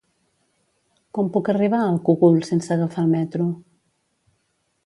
Com puc arribar al Cogul sense agafar el metro?